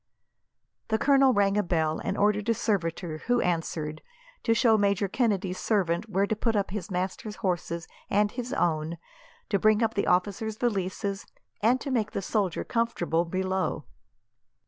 The colonel rang a bell, and ordered a servitor, who answered, to show Major Kennedy's servant where to put up his master's horses and his own, to bring up the officer's valises, and to make the soldier comfortable below.